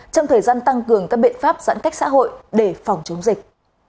trong thời gian tăng cường các biện pháp giãn cách xã hội để phòng chống dịch